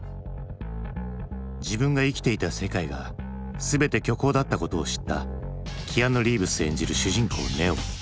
自分が生きていた世界が全て虚構だったことを知ったキアヌ・リーブス演じる主人公ネオ。